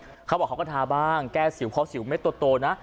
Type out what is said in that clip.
เขาบอกเขาก็ทาบ้างแก้สิวเพราะสิวเม็ดโตนะ